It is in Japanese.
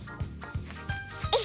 よいしょ。